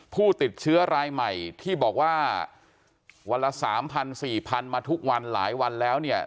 ผู้ติดเชื้อรายใหม่ที่บอกว่าวันละ๓๐๐๔๐๐๐มาทุกวันหลายวันแล้วเนี่ย